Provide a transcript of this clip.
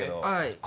はい。